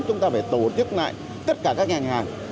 chúng ta phải tổ chức lại tất cả các ngành hàng